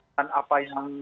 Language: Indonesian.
dan apa yang